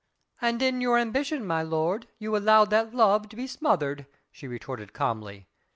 "And in your ambition, my lord, you allowed that love to be smothered," she retorted calmly.